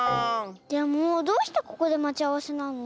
でもどうしてここでまちあわせなの？